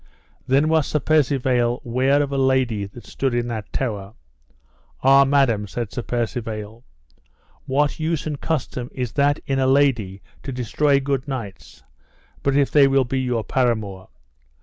Then was Sir Percivale ware of a lady that stood in that tower. Ah, madam, said Sir Percivale, what use and custom is that in a lady to destroy good knights but if they will be your paramour?